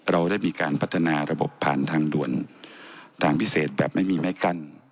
เราได้มีการพัฒนาระบบผ่านทางด่วนทางพิเศษแบบไม่มีไม้กั้น